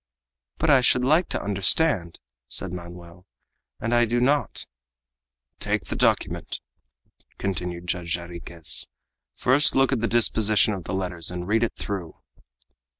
"But I should like to understand," said Manoel, "and I do not " "Take the document," continued Judge Jarriquez; "first look at the disposition of the letters, and read it through."